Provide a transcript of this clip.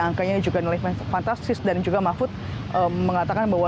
angkanya juga nilai fantastis dan juga mahfud mengatakan bahwa